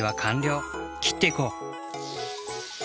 きっていこう。